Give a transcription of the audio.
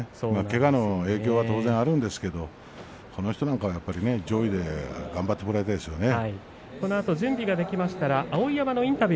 けがの影響は当然あるんですけどこの人は上位で頑張ってもらいたいですよね。